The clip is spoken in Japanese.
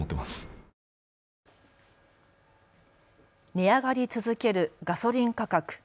値上がり続けるガソリン価格。